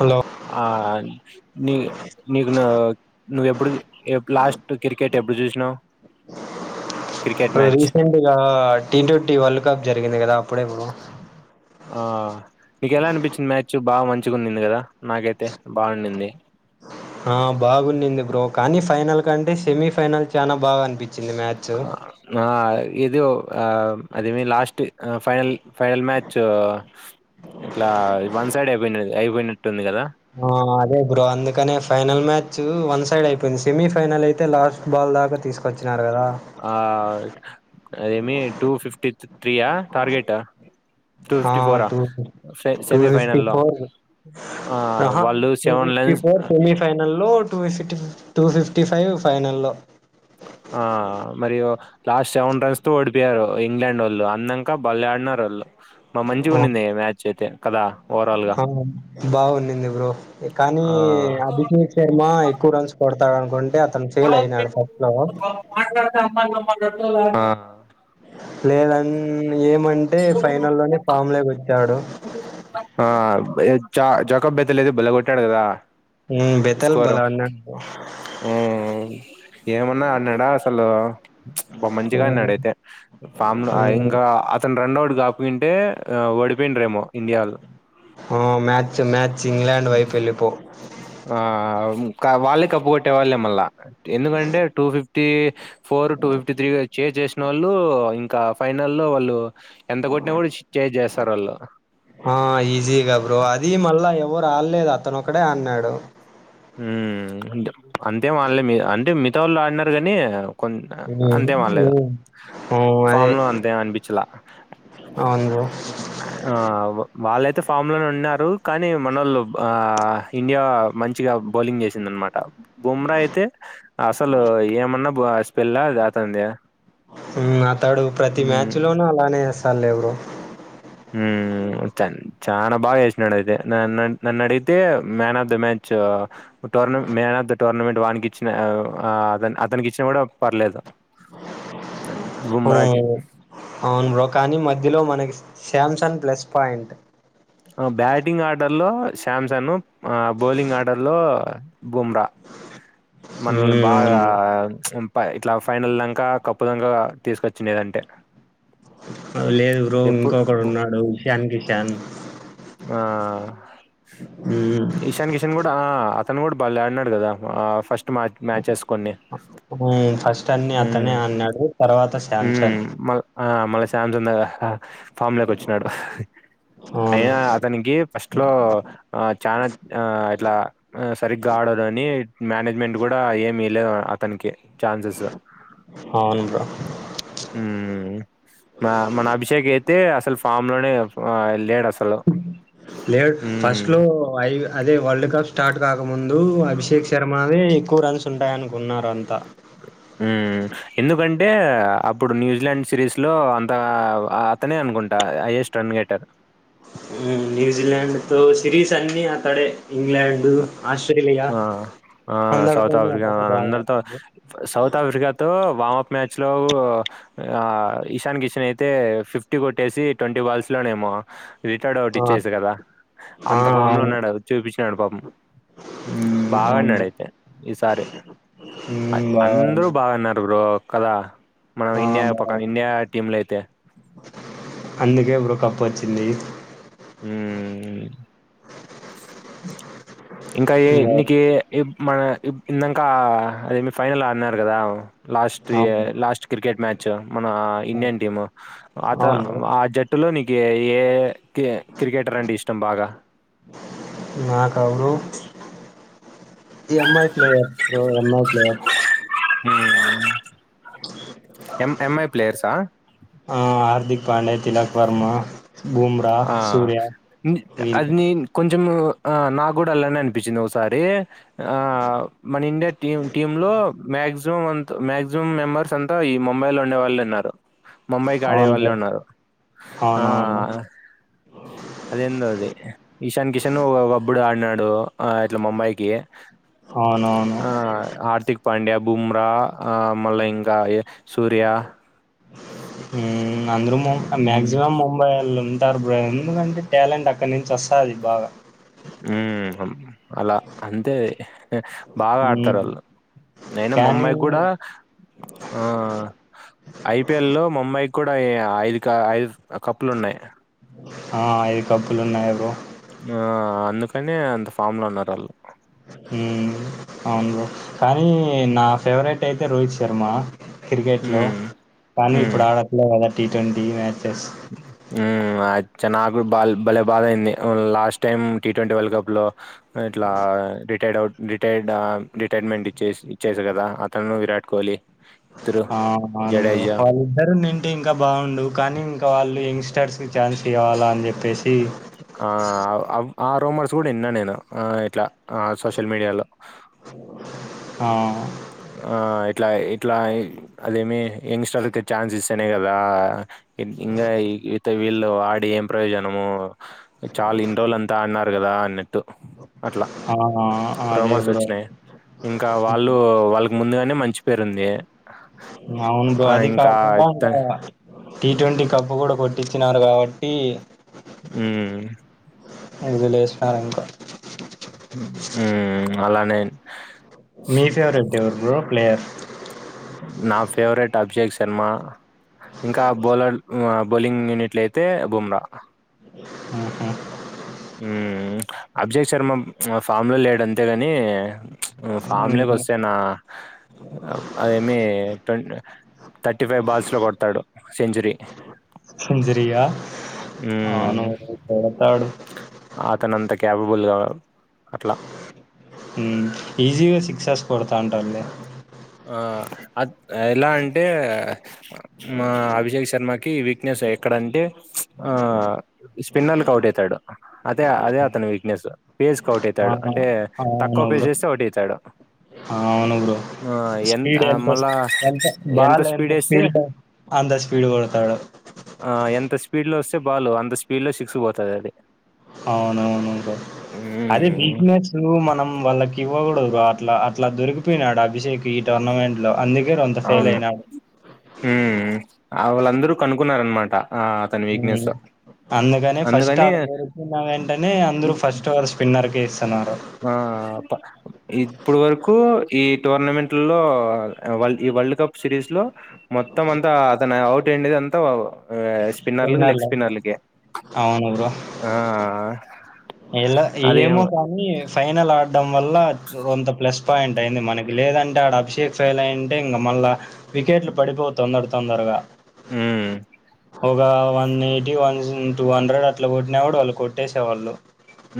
Hello ఆ ని నిగన నువ్వెప్పుడు లాస్ట్ క్రికెట్ ఎప్పుడు చూసినావు క్రికెట్ ఇప్పుడు మ్యాచ్ రీసెంట్ గా టీ ట్వంటీ వరల్డ్ కప్ జరిగింది కదా అప్పుడే ఆ నీకు ఎలా అనిపించింది మ్యాచ్ బాగ మంచిగున్నింది కదా నాకైతే బాగుంంది ఆ బాగున్నింది బ్రో కానీ ఫైనల్ కంటే సెమీఫైనల్ చానా బాగా అనిపించింది నా ఏదో అదేమి లాస్ట్ ఆ ఫైనల్ ఫైనల్ మ్యాచ్ ఇట్లా వన్ సైడ్ అయిపోయింది, అది అయిపోయినట్టుంది కదా. ఆ అదే బ్రో అందుకనే ఫైనల్ మ్యాచ్ వన్ సైడ్ అయిపోయింది, సెమీఫైనల్ అయితే లాస్ట్ బాల్ దాకా తీసుకొచ్చినారు కదా! ఆ అదేమి టూ ఫిఫ్టీ త్రీయా టార్గెట్. టూ ఆ! ఫిఫ్టీ ఫోరా టూ టూ ఫిఫ్టీ సెమీఫైనల్లో ఫోర్ ఆ అహా! వాళ్ళు సెవెన్ లెన్స్ సెమీఫైనల్‌లో, టూ ఫి [inaudible] టూ ఫిఫ్టీ ఫైవ్ ఫైనల్లో. ఆ మరియు లాస్ట్ సెవెన్ రన్స్ తో ఓడిపోయారు ఇంగ్లాండ్ వొళ్ళు అందంక బలె ఆడినారు ఆళ్ళు. మా మంచిగా ఆ! ఉండింది మ్యాచ్ అయితే కదా ఓవరాల్ గా. బాగుండింది బ్రో. కానీ ఆ అభిజీత్ శర్మ ఎక్కువ రన్స్ కొడ తాడనుకుంటే మాట్లాడ అమ్మ అ లేదన్ ఏమంటే ఫైనల్ లోనే ఫామ్ లోకి వ ఆ [unintelligible] జా జాకబ్ బెత్లేలేదు బలె కొట్టాడు కదా. హ్మ్. బెతల్ స్కోరు బల అన్నాడు. హు ఏమన్నా ఆడినాడా. హలో అబ్బ మంచిగా హ్మ్. ఆడినాడైతే ఫామ్ హ్మ్. ఇంకా అతను రన్ అవుట్ కాకపోయింటే వాడి అయిపోయిండ్రేమో ఇండియాల్లు ఆ మ్యాచ్ మ్యా చింగా ఇంగ్లాండ్ వైపు వెళ్లిపోవు. ఆ వాళ్ళే కప్పు కొట్టే వాళ్ళే మళ్ళ ఎందుకంటే two fifty four, two fifty three chase చేసినోళ్ళు ఇంకా ఫైనల్ లో వాళ్ళు ఎంత కొట్టినా కూడా చేజ్ చేస్తారు వాళ్ళు ఆ ఈజీగా బ్రో అదీ మళ్ళా ఎవరు ఆడలేదు అతను ఒకడే అడినాడు. ఉ అంటే అంతెం ఆళ్లే మి అంటే మిగతా వాళ్ళు ఆడినారు కాని కొ అహా హ్మ్. అంతెం ఆడలేదు హ్మ్. హ్మ్. అదే. ఫామ్ లో అంతేం అనిపించలా. అవును బ్రో. ఆ బో వాళ్ళయితే ఫామ్ లోనే ఉన్నారు కానీ మనళ్ళు ఆ ఇండియా మంచి మంచిగా బౌలింగ్ చేసిందనమాట బుమ్రా అయితే అసలు ఏమన్నా పెళ్ళా అది అతంది ఉ అతడు ప్రతి మ్యాచ్ లోనూ అలానే ఇస్తారు లే‌ బ్రో హ చ చనా బాగా ఎచ్చ నడతే న న నడితే మ్యాన్ ఆఫ్ ద మ్యాచ్ టోర్న్ మ్యాన్ ఆఫ్ ద టర్నమెంట్ వానికిచ్చిన ఆవ్ అ అతన్ అతనికిచ్చిన కూడా పర్లేదు బుమ్రాకి అవును అవును బ్రో కానీ మధ్యలో మనకి శమ్సన్ ప్లస్ పాయింట్ బ్యాటింగ్ ఆర్డర్లో శామ్సన్ ఆ బౌలింగ్ ఆర్డర్లో బుమ్రా మనల్ని ఉమ్ బాగా అవును బ్రో ప్చ్ పై ఇట్లా ఫైనల్ దాంక కప్పుదంక తీసుకొచ్చిండేదంటే అ లేదు బ్రో ఇంకొకడు బు ఉన్నాడు ఇషాన్ కిషాన్ ఆ ఉమ్ ఇశాన్ కిషాన్ గూడా ఆ తను కూడా బల్లె ఆడినాడ్ కదా ఆ ఫస్ట్ మ్యాచ్ మ్యాచెస్ కొన్ని హ్మ ఫస్ట్ అన్ని హ్మ్ అతనే అన్నాడు తర్వాత హ్మ్. శమ్సన్ మళ్ ఆ మళ శమ్సన్ హా ఫామ్లేకోచ్చినాడు అవును అయినా అతనికి ఫస్ట్ లో ఆ చానా ఆ ఇట్లా సరిగ్గా ఆడదని మేనేజ్మెంట్ గూడా ఏమిలేదు అతనికి ఛాన్సెస్ అవును బ్రో హ్మ మ మన అభిషేక్ ఎంద్ దే అసలు ఫామ్ లోనే ఆ లేడ్ అస్ లేడ్ ఫస్ట్ లో ఐగ్ అదే వరల్డ్ కప్ స్టార్ట్ కాకముందు అభిషేక్ శర్మదే ఎక్కువ రన్స్ ఉంటాయనుకున్నారు అంతా హ్మ ఎందుకంటే అప్పుడు న్యూజిలాండ్ సిరీస్ లో అంత అతనే అనుకుంటా హైయెస్ట్ రన్ గేటర్ న్యూజీలండ్ త సిరిస్ అన్ని తడే ఆ ఆ సౌత్ అందరితోనూ ఆఫ్రికా అతనే ఆ బాగా అందరితో ఆడుతాడు సౌత్ ఆఫ్రికాతో వామ్ప్ మ్యాచ్ లో ఆ ఇషాన్ కిషన్ అయితే ఫిఫ్టీ కొట్టేసి ట్వంటీ బాల్స్లోనేమో రిటైర్డ్ అవుట్ ఆ ఇచ్చేసే కదా ఆ అంత అవును ఫామ్లోన్నాడు చూపించాడు పాపం హ్మ్ బాగా అవును బ్రో. ఆనడైతే ఈసారి ఐ హ్మ్. అందరూ బావున్నా. బాగ్ అడ్నరు బ్రో క్కద మనం ఆ! ఇండియా బావున్నా. పక్కన ఇండియా టీమ్ లో అయితే అందుకే బ్రో కప్పు వచ్చింది మ్మ్ అ ఇంకా ఏ ఇంగా నీకి ఎ ఏం మన ఇందాంక అదేమి ఫైనల్ ఆడినారు కదా లాస్ట్ ఇ అవును. లాస్ట్ క్రికెట్ మ్యా చ్చ మన అవును. ఇండియన్ టీమ్ అత అవును బ్రో. ఆ జట్టులోని ఏ ఏ కె క్రికెటర్ అంటే ఇష్టం బాగా నా కేవరు ఈ అమ్మాయి ప్లే ఆఫ్ బ్రో ఎన్నో ప్లేయ ఆఫ్ హుమ్మ్ ఆ ఎం ఎం ఐ ప్లేయర్సా ఆ! హార్దిక్ పాండే తిలక్ వర్మ బూమ్రా, ఆ సూర్య వీళ్ళు అది నీన్ కొంచము ఆ నాకు కూడా అలానే అనిపిచ్చింది ఒకసారి ఆ మన ఇండియా టీమ్ టీమ్ లో మాక్సిమం మాక్సిమం మెంబర్స్ అంతా ఈ ముంబై లో ఉండే వాళ్ళు ఉన్నారు ముంబాయి కాడే అవును వాల్లే బ్రో. ఉన్నారు ఆ అవునవును. అదేందో అది ఈశాన్ కిషన్ ఒకప్పుడు ఆడినాడు అట్లా ముంబాయికి అవునవును. ఆ ఆర్థిక్ పాండ్యా బుమ్రా ఆ మళ్ళ ఇంక సూర్య హుమ్ అందరూ మ్మ్ మాక్సిమం ముంబైవోళ్ళే టారు బ్రో ఎందుకంటే టాలెంట్ అక్కడ నుంచి వస్తుది బాగా మ్మ్ అలా అంతే బాగా ఆడతారు హ్మ్. వాళ్ళు నేను కానీ ముంబై కూడా ఆ ఐ పి ఎల్ లో ముంబై కూడా ఈ ఐదు క ఐదు కప్పులు ఉన్నాయి ఆ ఐదు కప్పులు ఉన్నాయ్ బ్రో ఆ అందుకనే అంత ఫామ్ లో ఉన్నారు వాళ్ళు హ్మ్ అవును కానీ నా ఫేవరెట్ అయితే రోహిత్ శర్మ క్రికెట్ లో మ్మ్ కానీ ఇప్పుడు ఆడట్లే కద టీ ట్వంటీ మ్యాచెస్ మ్మ్ అచ్చ నాకు బా భలే బాధ అయింది last time T twenty world cup లో ఇట్లా రిటైర్డ్ అవుట్ రిటైర్డ్ ఆ రిటైర్మెంట్ ఇచ్చేస్ ఇచ్చేసే కదా అతను విరాట్ కోహ్లీ ఇద్దరు. ఆ అవును బ్రో జడేజా వాళ్ళిద్దరున్నింటే ఇంకా బాగుండు కానీ ఇంకా వాల్ అల్లూ యంగ్స్టర్స్ ఛాన్స్ ఇవ్వాలా అన్ జేప్పేసి ఆ ఆ రూమర్స్ కూడా ఇన్నా నేను ఇట్లా ఆ సోషల్ మీడియాలో ఆ ఆ ఇట్లా ఇట్లా అదేమి యంగ్స్టర్ అయితే ఛాన్స్ ఇస్తేనే కదా ఇన్ ఇంగా ఈ యుత వ్ వీళ్లు ఆడి ఏం ప్రయోజనము చాలు ఇన్నిరోజులంతా ఆడినారు కదా అన్ని అట్లా ఆ! అదే రూమర్స్ బ్రో. వచ్చినాయి ఇంకా వాళ్ళు హ్మ్. వాళ్ళకి ముందుగానే మంచి పేరు ఉంది అవును బ్రో అది కాకుండా ద ఇంకా టీ ట్వంటీ డబ్బు కూడా కొట్టించినారు కాబట్టి ఊ ఎడుదిలేసన్నారు ఇంకా ఊ అలానే మీ ఫేవరెట్ ఎవరు బ్రో ప్లేయర్ నా ఫేవరెట్ అభిషేక్ శర్మ ఇంకా బౌలర్ బౌలింగ్ యూనిట్లు అయితే బుమ్రా ఆహా ఉ అబ్జేక్ శర్మ ఫామ్ లో లేడుంతేగాని ఫామ్ లోకి హ్మ్. వస్తేనా అదేమి టొన్ థర్టీ ఫైవ్ బాల్స్ లో కొడతాడు సెంచురీ సెంచరీయ మ్మ్ అవును కొడతాడు అతనంత క్యాపబుల్గా అట్లా ఉమ్ ఈజీగా సిక్సస్ కొడతంటంది ఆ అత్ ఎలా అంటే మా అభిషేక్ శర్మకి వీక్నెస్ ఎక్కడంటే ఆ స్పిన్నర్లలకు అవుటైతాడు అదే అదే అతని వీక్నెస్ పేజ్కి ఆ! అవుటైతాడు అంటే తక్కువ అవును పేజ్ బ్రో. చేస్తే అవుటైతాడు అవును బ్రో. స్పీడ్ ఎంత ఎంత బాల్ ఎంత స్పీడ్ అంత స్పీడ్ కొడతాడు ఆ ఎంత స్పీడ్ లో వస్తే బాలు అంత స్పీడ్ లో సిక్స్ పోత అది అవునవును బ్రో అదే మ్మ్ బిక్నెస్ మనం వాళ్ళకి ఇవ్వకూడదు బ్రో అట్లా అట్లా దొరికిపోయినాడు అభిషేక్ ఈ టోర్నమెంట్ లో అంది అవును హ్మ అవ్ ళందరూ కనుక్కున్నారు మంట ఉ అందుకనే ఫస్ట్ అందుకని ఆడపోరు కున్న వెంటనే అందరు ఫస్ట్ ఓవర్ స్పిన్నర్ ఏస్ సనార ఆ ఇప్పుడు వరకు ఈ టోర్నమెంట్ లో ఈ వరల్డ్ కప్ సిరీస్ లో మొత్తం అంతా అతనే ఔట్ రెండిది అంతా వాబ ఆ స్పిన్నర్లు లెగ్ స్పిన్నర్‌లో స్పిన్నర్ల కే అవును బ్రో. ఆ ఎలా అదేం ఏమో కానీ ఈ ఫైనల్ ఆడ్ డం వల్ల క్రొత్త ప్లస్ పాయింట్ అయింది మనకి లేదంటే ఆడ అభిషేక్ ఫైల్ అయింటే ఇంగా మల్ల వికెట్లు పడిపోతున్నడత్ తొందరగా హ ఒక one eighty one two hundred అట్లా కొట్టిన కూడా వాళ్ళు కొట్టేసేవాళ్ళు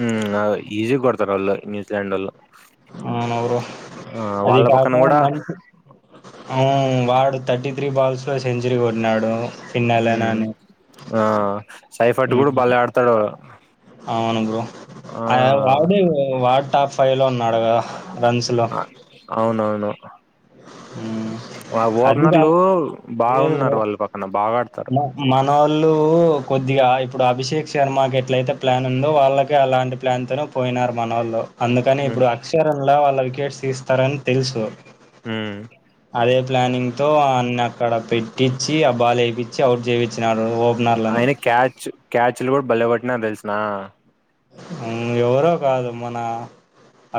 ఉమ్ హ ఈజిగా కొడతారు అల్ న్యూజిలండ్ ఒళ్ళు ఆయన ఎవ్వరు అది వాళ్ళ గాక పక్కన కూడా మనిషి అవును వాడు థర్టీ తు త్రీ బాల్స్ లో సెంచరీ కొట్టినాడు ఉ ఫిన్నెలన్ అని. ఆ సైఫట్ కూడా హ్మ్. బళ్లే ఆడతాడు ఇవ్వాళ అవును బ్రో ఆయా వావ్ దేవు వా టాప్ ఫైవ్లో ఉన్నాడుగాద అవును అవును హ్మ్. వ అది ఓపెనర్లు కాక బాగున్నారు వాళ్ళ పక్కన బాగా ఆడ్ మా మా మనవాళ్ళు కొద్దిగా ఇప్పుడు అభిషేక్ శర్మకి ఎట్లయితే ప్లాన్ ఉందో వాళ్ళకే అలాంటి ప్లాన్ తోనే పోయినారు మన ఒళ్లు అందుకని ఇప్పుడు అక్షరన్ లో వాళ్ళ వికెట్స్ తీస్తారని తెలుసు ఉ అదే ప్లానింగ్ తో ఆన్ని అక్కడ పెట్టించి ఆ బాల్ ఏపి చ్చి అవుట్ చేపిచ్చినడు ఓ ఆయన క్యాచ్ క్యాచ్లు కూడ్ బలే వట్టినాడు తెలుస్ నా ఉమ్ ఎవరో కాదు మన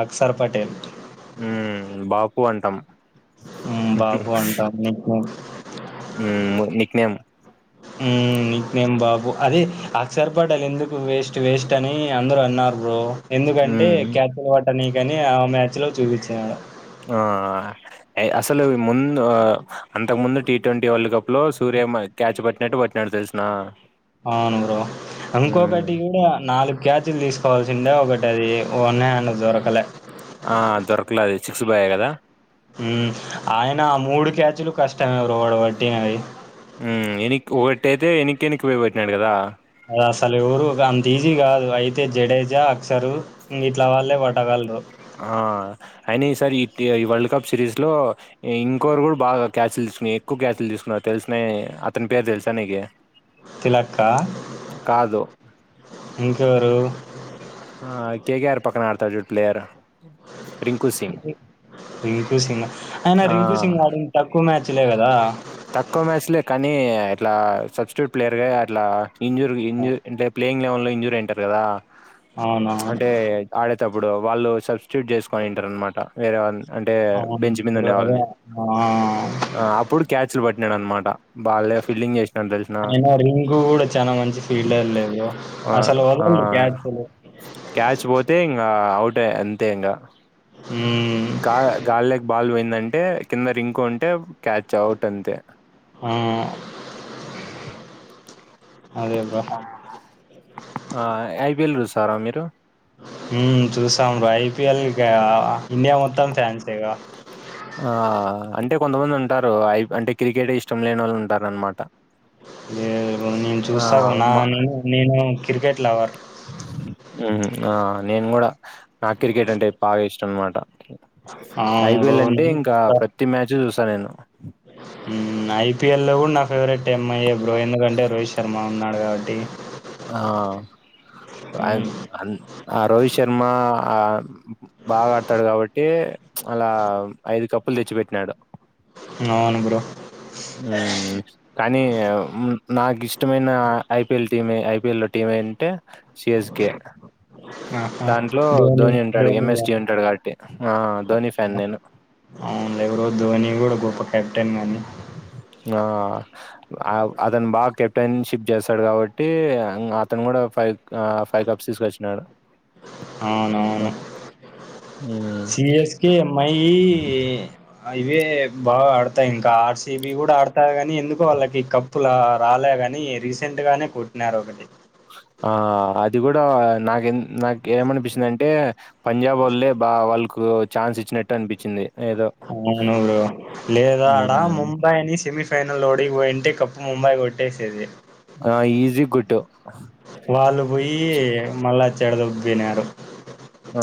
అక్సర్ పటేల్ వంటం బాబు అంటాం నెం నీక్నేం బాబు అద అక్సర్ పటేల్ ఎందుకు వేస్ట్ వేస్ట్ అని అందరు అన్నారు బ్రో ఎందుకంటే మ్మ్ క్యాపిటెల్ అనీ కాని ఆ మ్యాచ్ లో చూపించాడు ఆ అసలు ముందు అంతకు ముందు టీ ట్వంటీ వరల్డ్ కప్ లో సూర్య క్యాచ్ పట్టినట్టు పట్నాడు తెలిసిన ఆ బ్రో మ్మ్ ఇంకొకటి కూడా నాలు క్యాచ్ లు తీసుకోవాల్సిందే ఒకటి అది ఓన్నన్న దొరకలే ఆ దొరకలే అది సిక్స్ బాయ కదా ఉ ఆయన మూడు క్యాచ్లు కష్టమ ఎవరుడు పట్టినవి ఊ ఎనిక్కి ఒగటయితే ఎనిక్కి ఎనిక్కి పోయి పట్టినాడు కదా దాసలు అంతీసి జడేజా అక్సరు ఇ ఇట్లా వాళ్ళే పట్టగళ్రు సార్ ఈ ఈ వరల్డ్ కప్ సిరీస్లో ఇంకొరు కూడా బాగా క్యాచ్లు దీసుకుని ఎక్కువ క్యాచ్లు దీసుకున్నారు తెలుసినయి అతని పేరు తెలుసా నీకు తిలక్ ఇంకెవరు ఆ కేకయారు పక్కన ఆడతారు చు ప్లేయర్ రింకు సింగ్ రింకు సింగ్ అయినా ఆ రింకు సింగ్ ఆడింది తక్కువ మ్యాచ్లే కదా తక్కువ మ్యాచ్లే కానీ ఇట్లా సబ్స్ట్యూట్ ప్లేయర్ గా అట్లా ఇంజురు ఇంజూరు ప్లేయింగ్ గ్ లెవల్లో ఇంజూర్ అయింటారుగ దా అవునవును అంటే ఆడ ప్పుడు వాళ్ళు సబ్స్టిట్యూట్ చేసుకనింటారు అనమాట వేరే అంటే అవును బెంచ్ మింద బ్రో అదే ఉండేవాళ్ళని ఆ ఆ అప్పుడు పట్నాడు అనమాట బాలే ఫీల్డింగ్ చేసినాడు తెలిసిన అయినా రింగ్ కూడా చాలా మంచి ఫీల్డర్ లేదు ఆ అసలు ఆ వదండి క్యాచ్లు అంటే అంతే ఇంగా గ గాలలేక బాల పోయింది అంటే కింద రింకు అంటే క్యాచ్ అవుట్ పట్టంతే ఆ అదే బ్రో ఆ ఐపి ఎల్ సారా మీరు చూసాం రా ఐపిఎల్గా ఇండియా మొత్తం ఫ్యాన్సేగా ఆ అంటే కొంతమంది ఉంటారు ఐ అంటే క్రికెట్ ఇష్టం లేని వాళ్ళు ఉంటారు అనమాట లే నేను చూస్తావు నా మా నే నేను క్రికెట్ లవర్ హ్మ్. ఆ నేను కూడా నాకు క్రికెట్ అంటే బాగా ఇష్టం అనమాట అవును బ్రో ఐపిఎల్ అంటే నేను ఇంకా చూస్తా ప్రతి మ్యాచ్ చూస్ స్త నేను హ్మ్ ఐపిఎల్ లో కూడా నా ఫేవరెట్ యమ్ ఐ బ్రో ఎందుకంటే రోహిత్ శర్మ ఉన్నాడు కాబట్టి ఆ... ఆయాన్.. హ్మ్ అన్.. ఆ...... రోహిత్ శర్మ అన్ బాగాడతాడు కాబట్టి ప్చ్.... అలా ఐదు కప్పులు తెచ్చి పెట్టినాడు అవును బ్రో హ్మ్ కానీ హ్మ్ నాకి ఇస్ ఇష్టమైన ఐపీఎల్ టీమ్ ఏ ఐపీఎల్ లో టైమేన్ టే సిఎస్కే దాంట్లో ధోని ఉంటాడు ఎమ్ ఎస్ డి ఉంటాడు కాబట్టి ఆ ధోని ఫ్యాన్ నేను టెన్ గాని అతను బాగ్ కెప్టెన్ షిప్ చేస్తాడు కాబట్టి అంగ్ అతను కూడా ఫైవ్ ఆ ఫైవ్ కప్స్ తీసుకొచ్చినాడు అవునువును మాకు. హ్మ్. సిఎస్ కె ఏమ్ ఐ ఇ ఇవే బాగాడతాయ్ ఇంకా ఆర్ సి బి కూడా ఆడతయ్ కానీ ఎందుకో వాళ్ళకి కప్పు రాలే గాని రీసెంట్ గానే కొట్టినరు ఒకటి ఆ అది కూడా నాకూ ఎం నాకెమనిపిస్తుందంటే పంజాబ్ వాళ్ళే బా వాళ్ల్ కు ఛాన్స్ ఇచ్చినట్టు అనిపిచ్ అవును బ్రో లేదా ఆడా హ్మ్. ముంబైని సేమిస్ ఫైనల్ ఓడి పోయింటె కప్పు ముంబై కొట్టేసేది ఆ ఈజీ గోట్టా. చ్.. చేడాదొబ్బినారు ఆ